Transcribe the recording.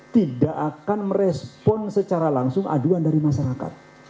tidak akan merespon secara langsung aduan dari masyarakat